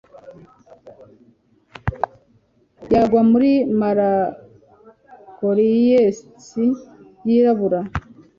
Yagwa muri melancholies yirabura